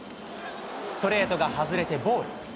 ストレートが外れてボール。